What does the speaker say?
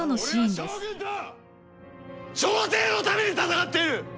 朝廷のために戦っている！